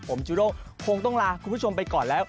ผมจูด้งคงต้องลาคุณผู้ชมไปก่อนแล้ว